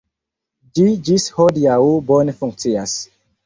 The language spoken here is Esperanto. Ĝi ĝis hodiaŭ bone funkcias.